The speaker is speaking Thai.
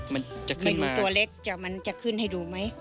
ไม่รู้ตัวเล็กมันจะขึ้นให้ดูไหม